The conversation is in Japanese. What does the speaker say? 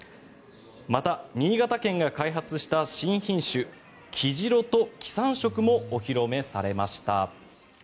また、新潟県が開発した新品種黄白と黄三色もお披露目されました。